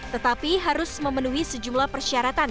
tetapi harus memenuhi sejumlah persyaratan